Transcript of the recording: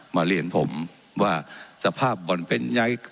มาเรียนผมว่าสภาพบ่อนเป็นยังไง